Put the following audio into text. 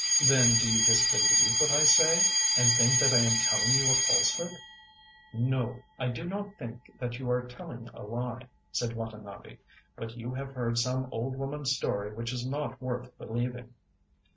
ŌĆØ ŌĆ£Then do you disbelieve what I say, and think that I am telling you a falsehood? ŌĆØ ŌĆ£No, I do not think that you are telling a lie, ŌĆØ said Watanabe; ŌĆ£but you have heard some old womanŌĆÖs story which is not worth believing.